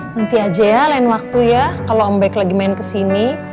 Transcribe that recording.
nanti aja ya lain waktu ya kalau ombec lagi main kesini